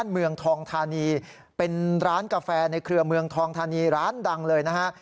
เมืองทองธานีเป็นร้านกาแฟในเครือเมืองทองธานีร้านดังเลยนะฮะ